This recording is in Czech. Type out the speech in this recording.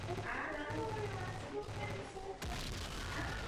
Schválený hospodářský subjekt bude využívat usnadnění, jak je předvídá kodex.